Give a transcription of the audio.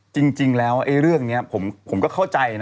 จริงแล้วเรื่องนี้ผมก็เข้าใจนะ